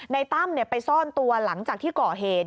ตั้มไปซ่อนตัวหลังจากที่ก่อเหตุ